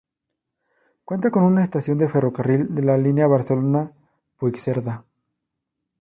Cuenta con estación de ferrocarril de la línea Barcelona-Puigcerdá.